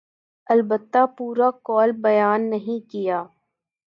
البتہ پورا قول بیان نہیں کیا۔